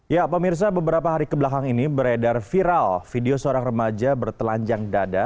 ya pemirsa beberapa hari kebelakang ini beredar viral video seorang remaja bertelanjang dada